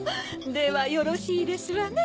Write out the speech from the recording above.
ではよろしいですわね？